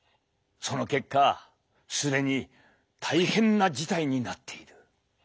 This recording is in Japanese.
その結果既に大変な事態になっている。